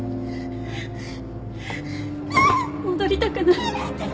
戻りたくない。